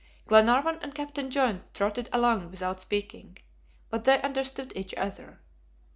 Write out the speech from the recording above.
Glenarvan and Captain John trotted along without speaking, but they understood each other.